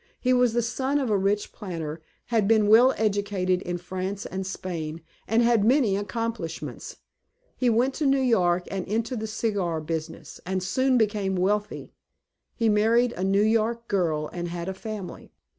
He was the son of a rich planter, had been well educated in France and Spain, and had many accomplishments. He went to New York, and into the cigar business, and soon became wealthy. He married a New York girl and had a family.